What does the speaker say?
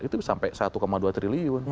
itu sampai satu dua triliun